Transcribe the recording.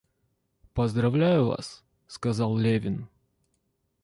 Поздравляю вас, — сказал Левин.